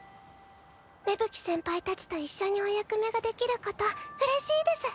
芽吹先輩たちと一緒にお役目ができることうれしいです。